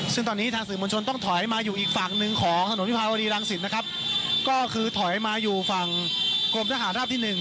ซึ่งตอนนี้ทางสื่อมวลชนต้องถอยมาอยู่อีกฝั่งหนึ่งของถนนวิภาวดีรังสิตนะครับก็คือถอยมาอยู่ฝั่งกรมทหารราบที่หนึ่ง